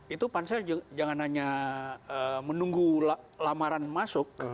itu pansel jangan hanya menunggu lamaran masuk